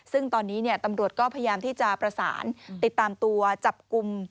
ซึ่งตอนนี้ตำรวจก็พยายามที่จะประสานติดตามตัวจับกลุ่ม